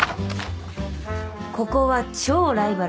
ここは超ライバル。